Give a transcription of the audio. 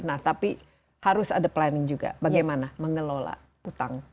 nah tapi harus ada planning juga bagaimana mengelola utang